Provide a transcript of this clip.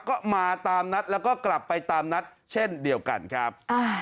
ก็มาตามนัดแล้วก็กลับไปตามนัดเช่นเดียวกันครับ